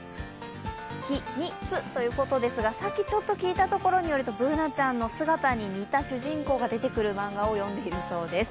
ひ・み・つということですが、さっき聞いたところ、Ｂｏｏｎａちゃんの姿に似た主人公が出てくる漫画を読んでいるそうです。